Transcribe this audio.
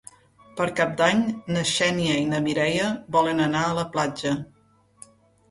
Per Cap d'Any na Xènia i na Mireia volen anar a la platja.